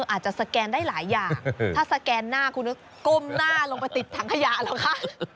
อาจจะสแกนได้หลายอย่างถ้าสแกนหน้าคุณก็ก้มหน้าลงไปติดถังขยะแล้วค่ะ